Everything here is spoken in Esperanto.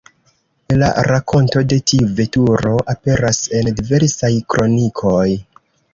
La rakonto de tiu veturo aperas en diversaj kronikoj.